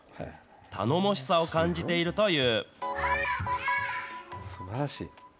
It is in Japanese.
頼もしさを感じているという。